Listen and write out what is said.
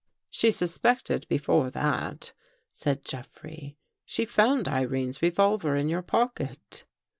" She suspected before that," said Jeffrey. " She found Irene's revolver in your pocket."